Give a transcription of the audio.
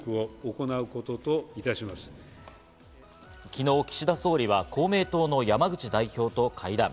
昨日、岸田総理は公明党の山口代表と会談。